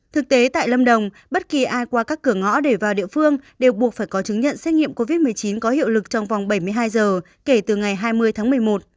thực tế tại lâm đồng bất kỳ ai qua các cửa ngõ để vào địa phương đều buộc phải có chứng nhận xét nghiệm covid một mươi chín có hiệu lực trong vòng bảy mươi hai giờ kể từ ngày hai mươi tháng một mươi một